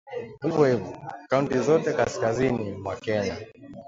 Kaunti zote kaskazini mwa Kenya